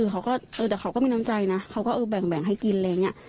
แต่เขาก็มีน้ำใจนะเขาก็เออแบ่งให้กินอะไรอย่างนี้